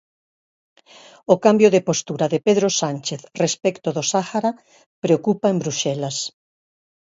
O cambio de postura de Pedro Sánchez respecto do Sáhara preocupa en Bruxelas.